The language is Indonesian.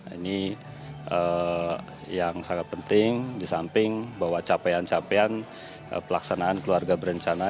ini yang sangat penting di samping bahwa capaian capaian pelaksanaan keluarga berencana